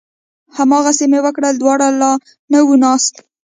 هماغسې مې وکړل، دوړه لا نه وه ناسته